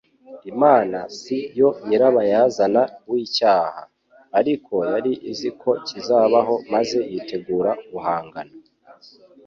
Imana si yo nyirabayazana w'icyaha, ariko yari izi ko kizabaho maze yitegura guhangana